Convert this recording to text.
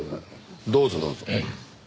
どうぞどうぞ。